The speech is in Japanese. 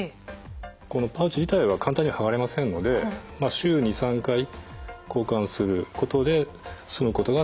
このパウチ自体は簡単には剥がれませんので週２３回交換することで済むことが通常です。